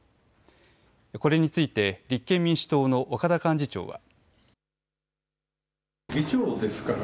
これについて立憲民主党の岡田幹事長は。